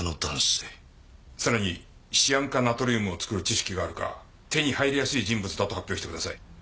さらにシアン化ナトリウムを作る知識があるか手に入りやすい人物だと発表してください。